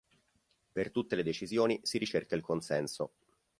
Per tutte le decisioni si ricerca il consenso.